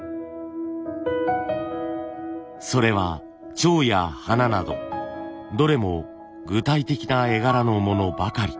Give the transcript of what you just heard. それは蝶や花などどれも具体的な絵柄のものばかり。